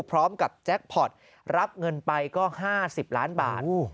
แจ็คพอร์ตรับเงินไปก็๕๐ล้านบาท